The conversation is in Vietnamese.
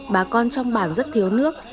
bà con trong bản rất thiếu nước